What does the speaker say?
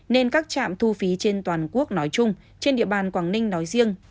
nên các trạm thu phí trên toàn quốc nói chung trên địa bàn quảng ninh nói riêng